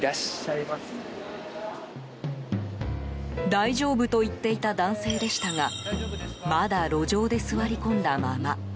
大丈夫と言っていた男性でしたがまだ路上で座り込んだまま。